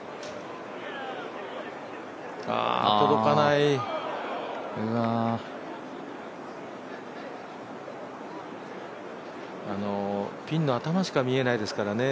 届かないピンの頭しか見えないですからね。